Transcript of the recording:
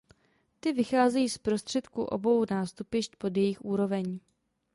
Ty vycházejí z prostředku obou nástupišť pod jejich úroveň.